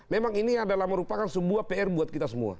memang ini adalah merupakan sebuah pr buat kita semua